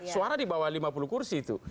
suara di bawah lima puluh kursi itu